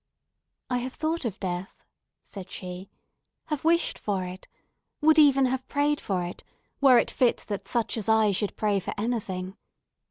"I have thought of death," said she—"have wished for it—would even have prayed for it, were it fit that such as I should pray for anything.